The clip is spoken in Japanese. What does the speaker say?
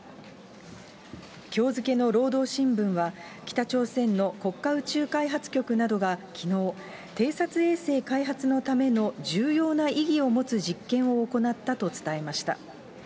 きょう付けの労働新聞は、北朝鮮の国家宇宙開発局などがきのう、偵察衛星開発のための重要な意義を持つ実験を行ったと伝えました。